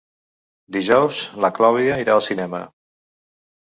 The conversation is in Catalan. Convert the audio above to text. Dijous na Clàudia irà al cinema.